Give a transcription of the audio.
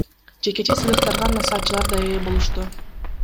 Жекече сыйлыктарга насаатчылар да ээ болушту.